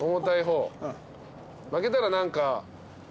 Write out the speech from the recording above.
負けたら何か。